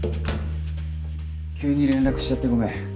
急に連絡しちゃってごめん。